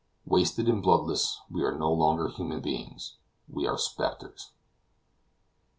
Wasted and bloodless, we are no longer human beings; we are specters.